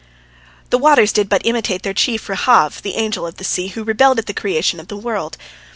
The waters did but imitate their chief Rahab, the Angel of the Sea, who rebelled at the creation of the world.